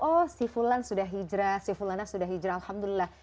oh si fulan sudah hijrah si fulana sudah hijrah alhamdulillah